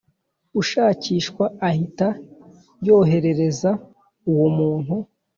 Ushakishwa ahita yoherereza uwo muntu